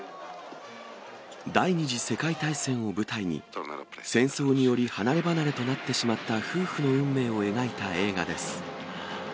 第２次世界大戦を舞台に、戦争により離れ離れとなってしまった夫婦の運命を描いた映画です。